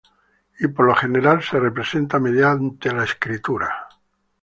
Y por lo general se representa mediante la escritura.